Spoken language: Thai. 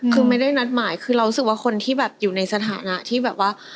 คือไม่ได้นัดหมายคือเรารู้สึกว่าคนที่แบบอยู่ในสถานะที่แบบว่า